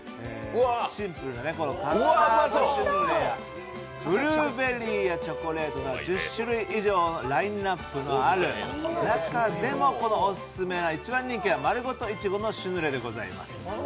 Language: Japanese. シンプルなカスタードシュヌレブルーベリーやチョコレートなど１０種類以上のラインナップがある中でもオススメの一番人気がまるごとイチゴのシュヌレでございます。